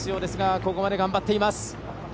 ここまで頑張っています。